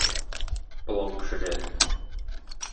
Пылау пешерә.